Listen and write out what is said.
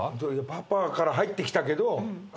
パパから入ってきたけど。